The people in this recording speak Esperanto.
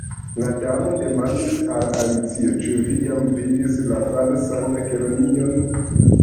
La Damo demandis al Alicio: "Ĉu vi jam vidis la Falsan Kelonion?"